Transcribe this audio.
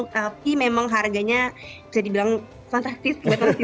tapi memang harganya bisa dibilang fantastis